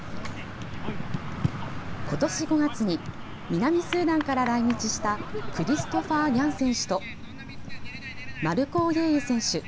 今年５月に南スーダンから来日したクリストファー・ニャン選手とマルコ・オイェユ選手。